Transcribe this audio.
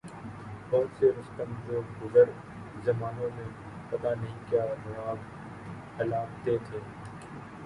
بہت سے رستم جو گزرے زمانوں میں پتہ نہیں کیا راگ الاپتے تھے۔